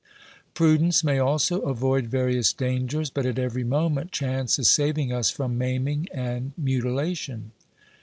Prudence may also avoid various dangers, but at every moment chance is saving us from maiming and mutilation.